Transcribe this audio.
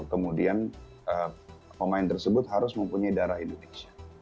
kemudian pemain tersebut harus mempunyai darah indonesia